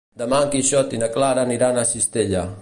Demà en Quixot i na Clara aniran a Cistella.